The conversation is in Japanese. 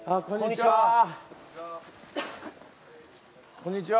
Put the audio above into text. こんにちは。